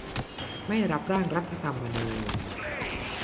ไม่รับร่างรัฐธรรมนูญ